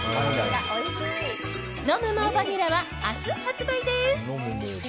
飲むＭＯＷバニラは明日発売です。